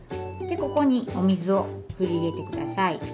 でここにお水を振り入れてください。